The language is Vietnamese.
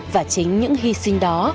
và chính những hy sinh đó